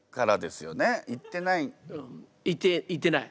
行って行ってない。